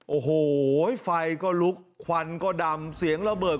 โอ้โหไฟก็ลุกควันก็ดำเสียงระเบิด